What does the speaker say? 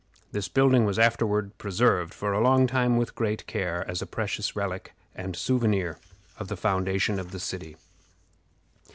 This building was afterward preserved a long time with great care, as a precious relic and souvenir of the foundation of the city.